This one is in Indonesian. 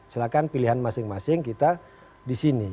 silahkan pilihan masing masing kita disini